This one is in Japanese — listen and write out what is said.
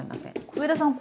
上田さん